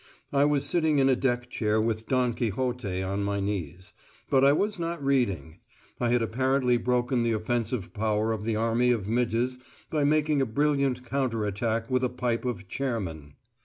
I was sitting in a deck chair with Don Quixote on my knees; but I was not reading. I had apparently broken the offensive power of the army of midges by making a brilliant counter attack with a pipe of Chairman.